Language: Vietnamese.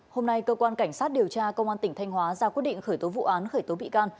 hôm nay cơ quan cảnh sát điều tra công an tỉnh thanh hóa ra quyết định khởi tố vụ án khởi tố bị can